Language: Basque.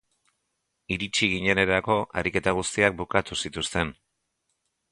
Iritsi ginenerako ariketa guztiak bukatu zituzten.